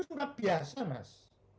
itu war mat biasa mas